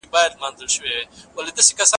کورنۍ ستونزې د ټولنې لویه برخه ده.